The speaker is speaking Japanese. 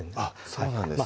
そうなんですね